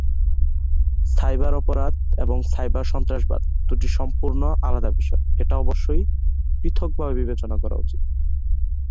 Cyber অপরাধ এবং cyber সন্ত্রাসবাদ দুটো সম্পূর্ণ আলাদা বিষয়, এটা অবশ্যই পৃথকভাবে বিবেচনা করা উচিত।